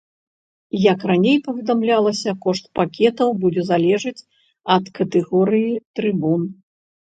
Як раней паведамлялася, кошт пакетаў будзе залежаць ад катэгорыі трыбун.